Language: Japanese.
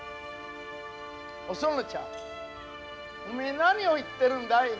お園ちゃんおめえ何を言ってるんだい？